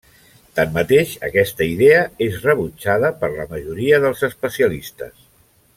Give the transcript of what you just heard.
Tanmateix, aquesta idea és rebutjada per la majoria dels especialistes.